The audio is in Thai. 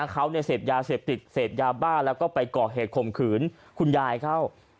เขาเสพยาเสพติดเสพยาบ้าแล้วก็ไปก่อเหตุข่มขืนคุณยายเข้า